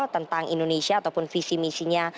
tentang indonesia ataupun visi misinya